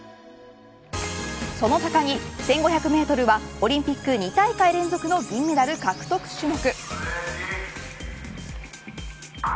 その高木１５００メートルはオリンピック２大会連続の銀メダル獲得種目。